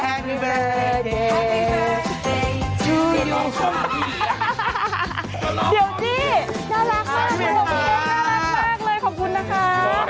คุณหมีเซโวะวูนขอบคุณมากเลยขอบคุณนะครับ